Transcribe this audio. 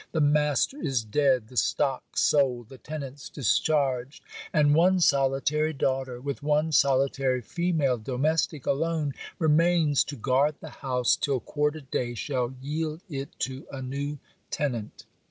The master is dead, the stock sold, the tenants discharged, and one solitary daughter, with one solitary female domestic alone, remains to guard the house till quarter day shall yield it to a new tenant.